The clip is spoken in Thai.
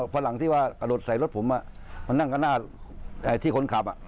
พอหลังที่ว่ากระโดดใส่รถผมมานั่งกับหน้าที่คนขับ